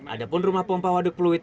ada pun rumah pompa waduk pluit